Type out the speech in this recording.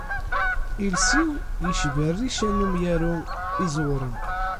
Iles-iw icba rrica n umyaru iẓewren!